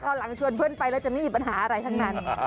หลังชวนเพื่อนไปแล้วจะไม่มีปัญหาอะไรทั้งนั้น